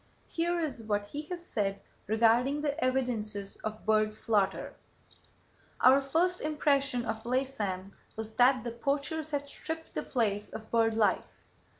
Here is what he has said regarding the evidences of bird slaughter: "Our first impression of Laysan was that the poachers had stripped the place of bird life.